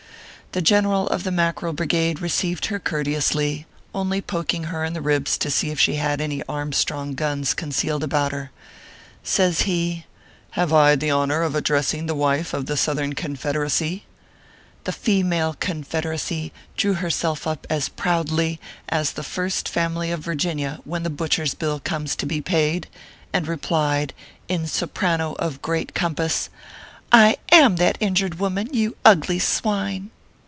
The General of the Mackerel Brigade received her ORPHEUS C. KERR PAPERS. 207 courteously, only poking her in the ribs to see if she had any Armstrong guns concealed about her. Says he :" Have I the honor of addressing the wife of the Southern Confederacy ?" The female confederacy drew herself up as proudly as the First Family of Virginia when the butcher s bill comes to be paid, and replied, in soprano of great compass :" I am that injured woman, you ugly swine."